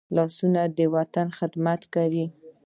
لاسونه د وطن خدمت کوي